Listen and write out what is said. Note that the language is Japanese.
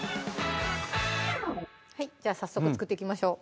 じゃあ早速作っていきましょう